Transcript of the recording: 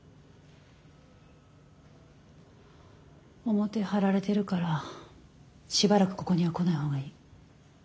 表張られてるからしばらくここには来ない方がいい。